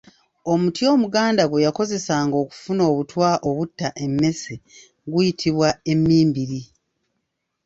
Omuti omuganda gwe yakozesanga okufuna obutwa obutta emmese guyitibwa Emmimbiri.